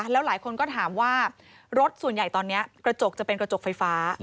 แล้วหลายคนก็ถามว่ารถส่วนใหญ่ตอนนี้กระจกจะเป็นกระจกไฟฟ้า